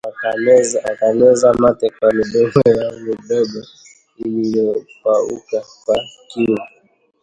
Wakameza mate kwa midomo yao midogo iliyopauka kwa kiu